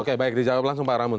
oke baik dijawab langsung pak ramun